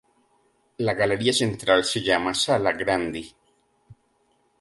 La galería central se llama Sala Grande.